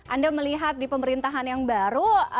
anda melihat di pemerintahan yang baru